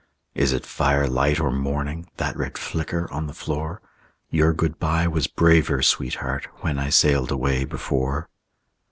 Is it firelight or morning, That red flicker on the floor? Your good by was braver, sweetheart, When I sailed away before.